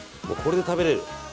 これで食べれる。